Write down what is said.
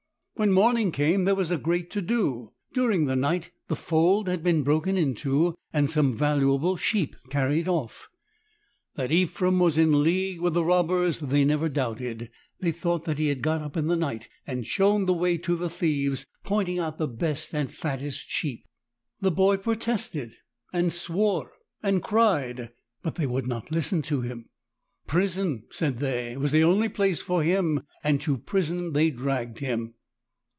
When morning came there was a great to do. During the night the fold had been broken into and some valuable sheep carried off. That Ephrem was in league with the robbers they never doubted. They thought that he had got up in the night and shown the way to the thieves, pointing i6i out the best and fattest sheep. The boy protested and swore and cried, but they would not listen to him. Prison, said they, was the only place for him, and to prison they dragged him.